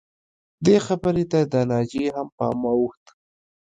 دې خبرې ته د ناجیې هم پام واوښته